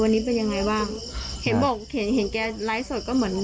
วันนี้เป็นยังไงบ้างเห็นบอกเห็นเห็นแกไลฟ์สดก็เหมือน